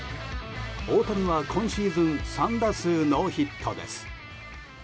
大谷は今シーズン３打数ノーヒットです。